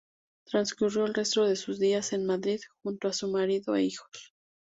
Transcurrió el resto de sus días en Madrid, junto a su marido e hijos.